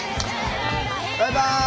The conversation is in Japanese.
バイバイ。